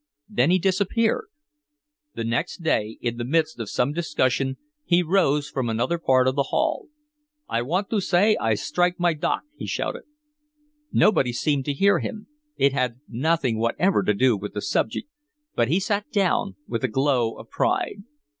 Then he disappeared. The next day, in the midst of some discussion, he rose from another part of the hall. "I want to say I strike my dock," he shouted. Nobody seemed to hear him, it had nothing whatever to do with the subject, but he sat down with a glow of pride.